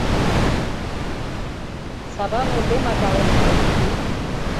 Сава вурдем ачалам маньым -